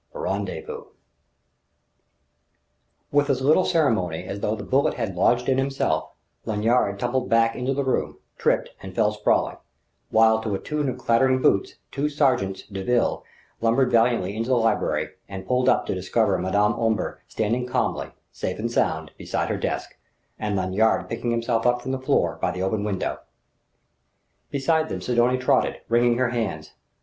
XXIV RENDEZVOUS With as little ceremony as though the bullet had lodged in himself, Lanyard tumbled back into the room, tripped, and fell sprawling; while to a tune of clattering boots two sergents de ville lumbered valiantly into the library and pulled up to discover Madame Omber standing calmly, safe and sound, beside her desk, and Lanyard picking himself up from the floor by the open window. Behind them Sidonie trotted, wringing her hands.